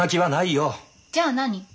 じゃあ何？